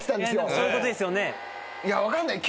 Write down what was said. いや分かんない。